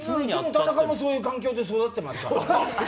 田中もそういう環境で育ってますから。